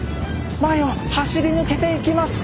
前を走り抜けていきます。